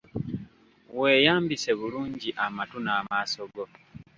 Weeyambise bulungi amatu n'amaaso go.